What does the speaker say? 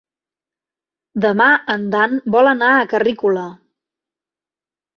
Demà en Dan vol anar a Carrícola.